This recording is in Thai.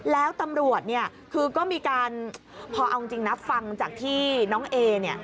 แล้วตำรวจเนี่ยคือก็มีการพอเอาจริงนะฟังจากที่น้องเอเนี่ย